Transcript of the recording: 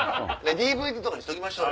ＤＶＤとかにしときましょうよ。